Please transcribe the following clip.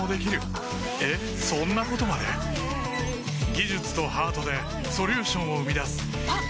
技術とハートでソリューションを生み出すあっ！